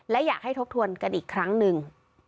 และอยากให้ทบทวนกันอีกครั้งหนึ่ง